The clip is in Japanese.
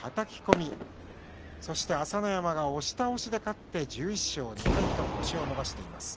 朝乃山が押し倒しで勝って１１勝２敗と星を伸ばしています。